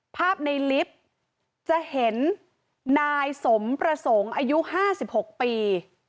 ภาพในลิฟต์จะเห็นนายสมประสงค์อายุ๕๖ปี